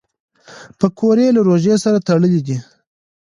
پکورې له روژې سره تړلي دي